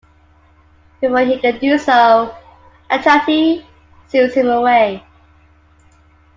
Before he can do so, Itachi seals him away.